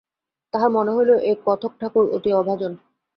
তাহার মনে হইল এ কথকঠাকুর অতি অভাজন।